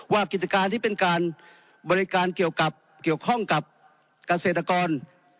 กิจการที่เป็นการบริการเกี่ยวกับเกี่ยวข้องกับเกษตรกร